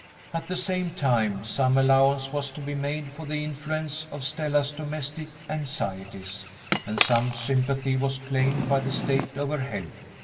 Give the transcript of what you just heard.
At the same time, some allowance was to be made for the influence of Stella's domestic anxieties, and some sympathy was claimed by the state of her health.